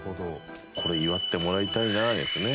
「これ祝ってもらいたいな」ですね。